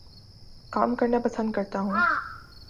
کام کرنا پسند کرتا ہوں